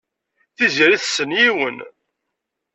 Tiziri tessen yiwen.